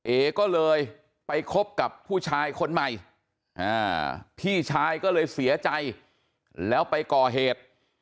เอก็เลยไปคบกับผู้ชายคนใหม่พี่ชายก็เลยเสียใจแล้วไปก่อเหตุ